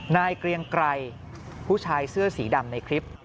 เกรียงไกรผู้ชายเสื้อสีดำในคลิป